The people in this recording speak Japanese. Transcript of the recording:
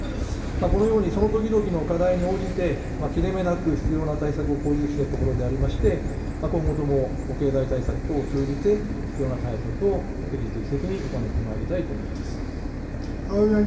このようにその時々の課題に応じて、切れ目なく必要な対策を講じてきたところでありまして、今後とも経済対策等を通じて、対策を適時適切に行ってまいりたいと思います。